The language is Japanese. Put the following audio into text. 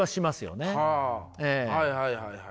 はいはいはいはい。